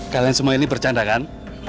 kalian semua ini bercanda kan